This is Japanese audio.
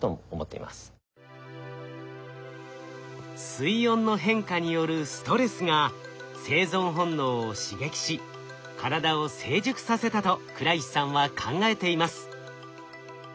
水温の変化によるストレスが生存本能を刺激し体を成熟させたと倉石さんは考えています。